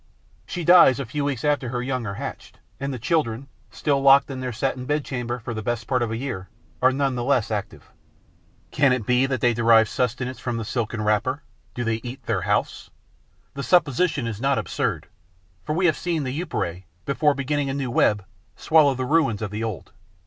She dies a few weeks after her young are hatched; and the children, still locked in their satin bed chamber for the best part of the year, are none the less active. Can it be that they derive sustenance from the silken wrapper? Do they eat their house? The supposition is not absurd, for we have seen the Epeirae, before beginning a new web, swallow the ruins of the old.